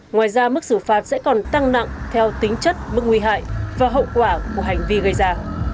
ngoài ra mức xử phạt sẽ còn tăng nặng theo tính chất mức nguy hại và hậu quả của hành vi gây ra